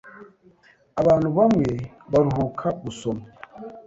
Abantu bamwe baruhuka gusoma.